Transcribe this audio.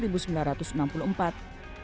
pada tahun seribu sembilan ratus enam puluh empat